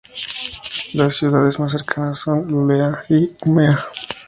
Las ciudades más cercanas son Luleå y Umeå.